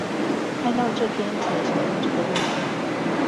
看到這篇才想到這個問題